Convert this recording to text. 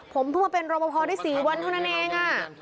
ผมเพิ่งมาเป็นรอปภได้๔วันเท่านั้นเอง